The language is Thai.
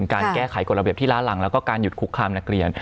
การแก้ไขกฎระเบียบที่ล้าหลังแล้วก็การหยุดคุกคามนักเรียน